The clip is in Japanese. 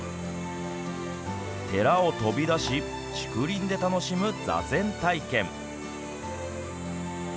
寺を飛び出し竹林で楽しむ座禅体験。